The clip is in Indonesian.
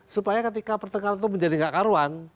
supaya ketika pertengahan itu menjadi tidak karuan